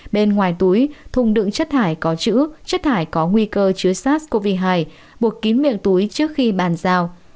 bên ngoài túi thùng đựng chất thải có chữ chất thải có nguy cơ chứa sars cov hai buộc kín miệng túi trước khi bàn giao